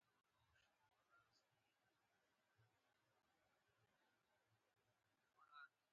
د پوهې بنسټ په دې توازن ولاړ دی.